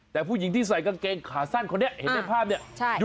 แต่ผู้หญิงที่ใส่กางเกงขาสั้นคนนี้เห็นในภาพเนี่ย